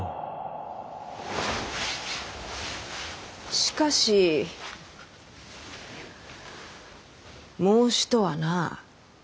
しかし孟子とはな。